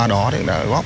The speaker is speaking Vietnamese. nhà đang có sự cố trở ra